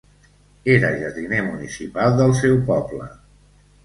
Era jardiner municipal del seu poble.